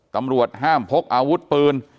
ตำรวจห้ามพกอาวุธปืน